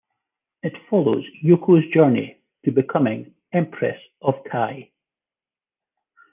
It follows Yoko's journey to becoming Empress of Kei.